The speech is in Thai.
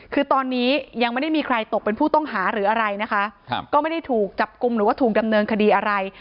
คือตอนนี้ยังไม่ได้มีใครตกเป็นผู้ต้องหาหรืออะไรนะคะก็ไม่ได้ถูกจับกลุ่มหรือว่าถูกดำเนินคดีอะไร